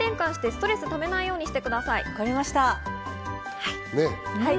はい。